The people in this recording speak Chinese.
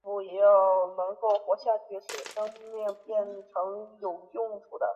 鉴于各会员国业已誓愿同联合国合作以促进对人权和基本自由的普遍尊重和遵行